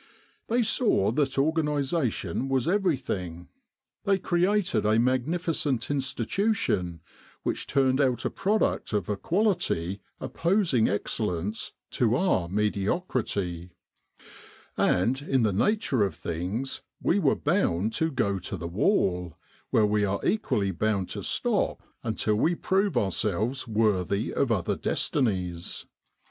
They saw that organisation was everything. They created a magnificent institu tion which turned out a product of a quality opposing excellence to our mediocrity. And in the nature of 2/0 .Military General Hospitals in Egypt things we were bound.to go to the wall, where we are equally bound to stop until we prove ourselves worthy of other destinies.